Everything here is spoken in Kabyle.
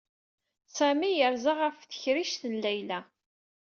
Sami yerza ɣef tekrict n Layla.